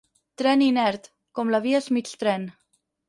«tren inert»— com la via és mig tren.